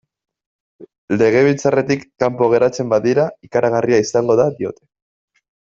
Legebiltzarretik kanpo geratzen badira, ikaragarria izango da, diote.